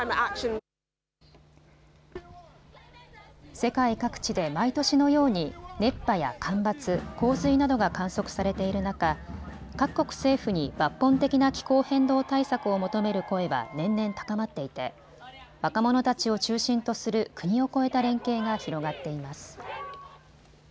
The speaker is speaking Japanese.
世界各地で毎年のように熱波や干ばつ、洪水などが観測されている中、各国政府に抜本的な気候変動対策を求める声は年々高まっていて若者たちを中心とする国を超えた連携が広がっています。